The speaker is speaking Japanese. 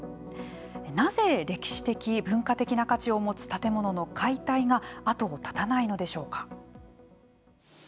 なぜ歴史的、文化的な価値を持つ建物の解体が後を絶たないのでしょうか。